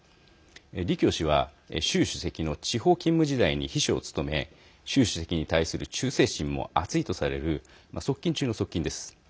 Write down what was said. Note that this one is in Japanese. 李強氏は習主席の地方勤務時代に秘書を務め習主席に対する忠誠心も厚いとされる側近中の側近です。